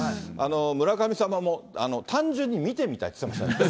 村神様も、単純に見てみたいって言ってましたね。